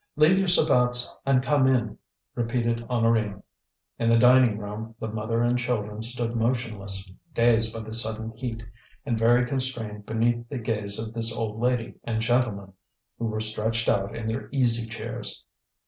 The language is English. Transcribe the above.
"Leave your sabots, and come in," repeated Honorine. In the dining room the mother and children stood motionless, dazed by the sudden heat, and very constrained beneath the gaze of this old lady and gentleman, who were stretched out in their easy chairs.